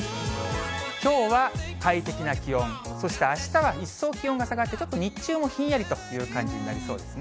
きょうは快適な気温、そしてあしたは一層気温が下がって、ちょっと日中もひんやりという感じになりそうですね。